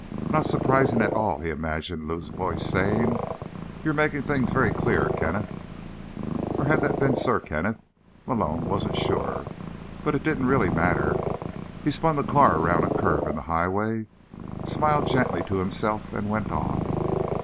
_ "Not surprising at all," he imagined Lou's voice saying. "You're making things very clear, Kenneth." Or had that been "Sir Kenneth"? Malone wasn't sure, but it didn't really matter. He spun the car around a curve in the highway, smiled gently to himself, and went on.